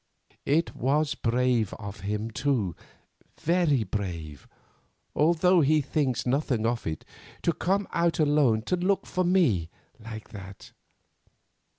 It was brave of him, too, very brave, although he thinks nothing of it, to come out alone to look for me like that.